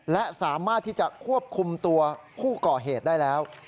และสามารถที่จะควบคุมตัวผู้ก่อเหตุได้แล้ว